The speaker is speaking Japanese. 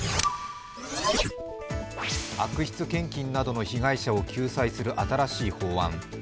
悪質献金などの被害者を救済する新しい法案。